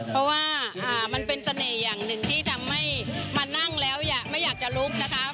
เพราะว่ามันเป็นเสน่ห์อย่างหนึ่งที่ทำให้มานั่งแล้วไม่อยากจะลุกนะคะ